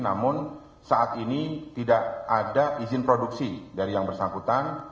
namun saat ini tidak ada izin produksi dari yang bersangkutan